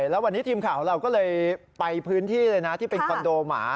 แล้ววันนี้ทีมข่าวของเราก็เลยไปพื้นที่เลยนะที่เป็นคอนโดหมา